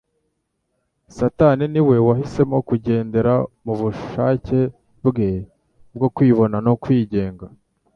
Satani niwe wahisemo kugendera mu bushake bwe bwo kwibona no kwigenga.